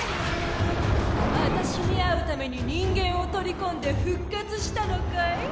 私に会うために人間を取り込んで復活したのかい？